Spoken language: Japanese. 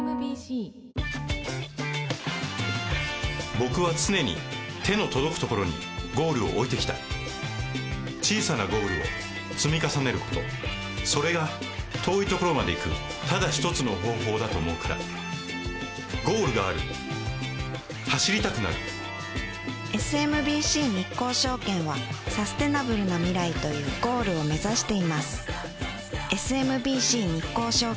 僕は常に手の届くところにゴールを置いてきた小さなゴールを積み重ねることそれが遠いところまで行くただ一つの方法だと思うからゴールがある走りたくなるＳＭＢＣ日興証券はサステナブルな未来というゴールを目指していますＳＭＢＣ日興証券